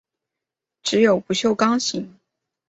只有不锈钢型。